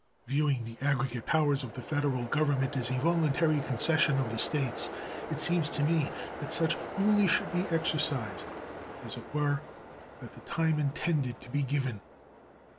Viewing the aggregate powers of the Federal Government as a voluntary concession of the States, it seemed to me that such only should be exercised as were at the time intended to be given.